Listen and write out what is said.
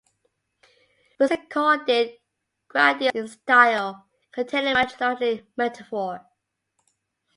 Wisden called it "grandiose in style, containing much startling metaphor".